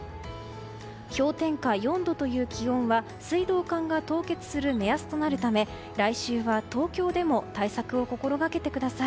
氷点下４度という気温は水道管が凍結する目安となるため来週は東京でも対策を心掛けてください。